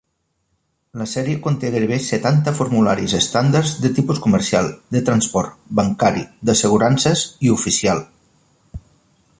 La sèrie conté gairebé setanta formularis estàndard de tipus comercial, de transport, bancari, d'assegurances i oficial.